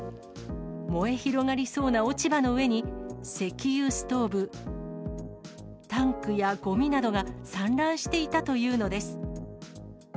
燃え広がりそうな落ち葉の上に、石油ストーブ、タンクやごみなどが散乱していたというのです。